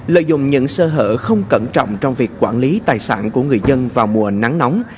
lợi dụng những sơ hở không cẩn trọng trong việc quản lý tài sản của người dân vào mùa nắng nóng